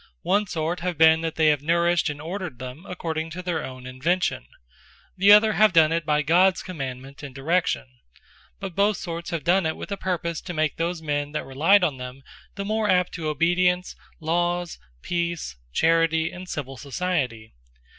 One sort have been they, that have nourished, and ordered them, according to their own invention. The other, have done it, by Gods commandement, and direction: but both sorts have done it, with a purpose to make those men that relyed on them, the more apt to Obedience, Lawes, Peace, Charity, and civill Society.